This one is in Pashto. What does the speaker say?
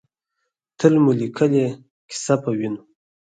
تل مو لیکلې ، کیسه پۀ وینو